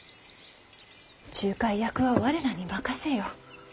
仲介役は我らに任せよ。